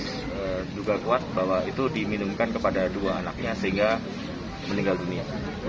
dan juga kuat bahwa itu diminumkan kepada dua anaknya sehingga meninggal dunia